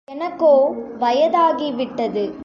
எனக்கோ வயதாகி விட்டது.